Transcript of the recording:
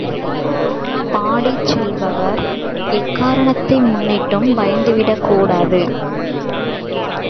பாடிச் செல்பவர் எக்காரணத்தை முன்னிட்டும் பயந்துவிடக் கூடாது.